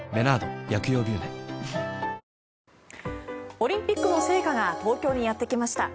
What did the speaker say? オリンピックの聖火が東京にやってきました。